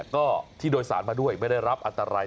ก็ที่โดยสารมาด้วยไม่ได้รับอันตราย